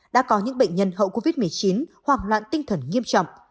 đã có những bệnh nhân hậu covid một mươi chín hoảng loạn tinh thần nghiêm trọng